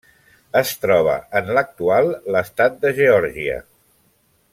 Es troba en l'actual l'estat de Geòrgia.